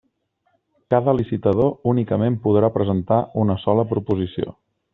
Cada licitador únicament podrà presentar una sola proposició.